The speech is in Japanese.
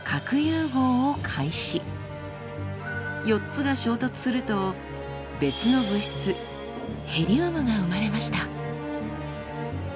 ４つが衝突すると別の物質ヘリウムが生まれました。